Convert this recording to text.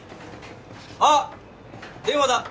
あっ電話だ！